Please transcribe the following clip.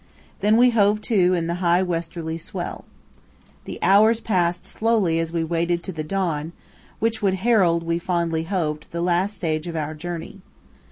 Then we hove to in the high westerly swell. The hours passed slowly as we waited the dawn, which would herald, we fondly hoped, the last stage of our journey.